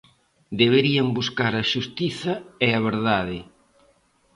Deberían buscar a xustiza e a verdade.